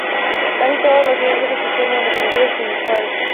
Casi todos los miembros se asocian a ambientes semiacuáticos.